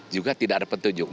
juga tidak ada petunjuk